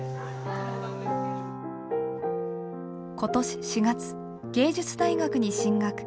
今年４月芸術大学に進学。